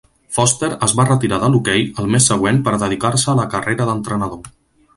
Foster es va retirar del hoquei el mes següent per dedicar-se a la carrera d'entrenador.